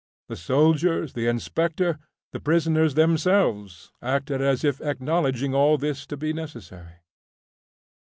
The soldiers, the inspector, the prisoners themselves, acted as if acknowledging all this to be necessary.